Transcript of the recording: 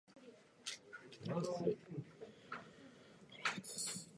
坊主が上手に屏風に坊主の絵を描いた